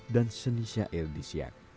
dan seni syair disiap